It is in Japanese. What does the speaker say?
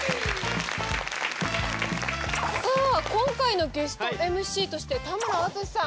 さあ今回のゲストＭＣとして田村淳さん